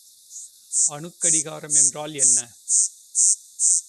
அணுக் கடிகாரம் என்றால் என்ன?